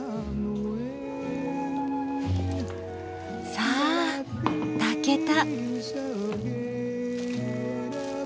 さあ炊けた。